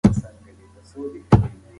فزیکي تمرین نه ترسره کول هم مهم لامل دی.